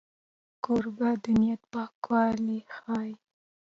کوربه د نیت پاکوالی ښيي.